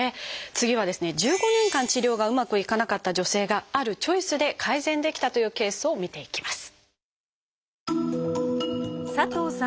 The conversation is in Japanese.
次はですね１５年間治療がうまくいかなかった女性があるチョイスで改善できたというケースを見ていきます。